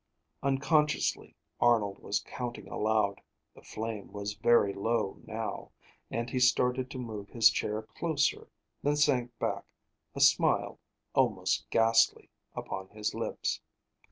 Unconsciously, Arnold was counting aloud. The flame was very low, now, and he started to move his chair closer, then sank back, a smile, almost ghastly, upon his lips.